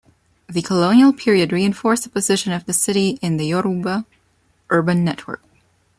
The colonial period reinforced the position of the city in the Yoruba urban network.